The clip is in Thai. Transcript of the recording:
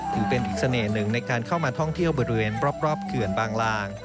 ถือเป็นอีกเสน่ห์หนึ่งในการเข้ามาท่องเที่ยวบริเวณรอบเขื่อนบางลาง